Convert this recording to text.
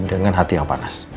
dengan hati yang panas